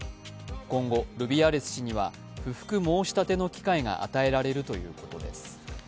今後、ルビアレス氏には不服申し立ての機会が与えられるということです。